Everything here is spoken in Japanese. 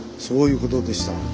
そういうことでした。